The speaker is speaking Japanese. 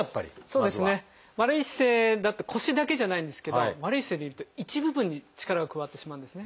そうですね悪い姿勢腰だけじゃないんですけど悪い姿勢でいると一部分に力が加わってしまうんですね。